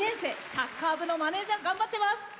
サッカー部のマネージャーを頑張ってます。